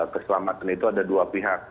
keselamatan itu ada dua pihak